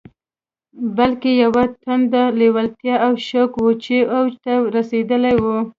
بلکې يوه تنده، لېوالتیا او شوق و چې اوج ته رسېدلی و.